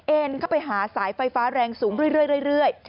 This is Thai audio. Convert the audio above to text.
เอ็นเข้าไปหาสายไฟฟ้าแรงสูงเรื่อย